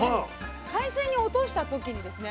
海水に落とした時にですね